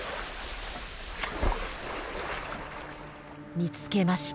見つけました。